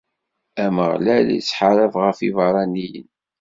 Ameɣlal ittḥarab ɣef yiberraniyen.